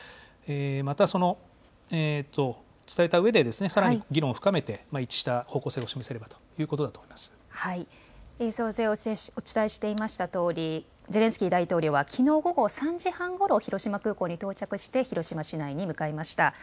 また、伝えたうえで、さらに議論を深めて一致した方向性を示せればということだと思いお伝えしていましたとおり、ゼレンスキー大統領はきのう午後３時半ごろ、広島空港に到着して、広島市内に向かいました。